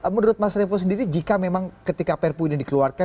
menurut mas revo sendiri jika memang ketika perpu ini dikeluarkan